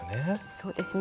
そうですね。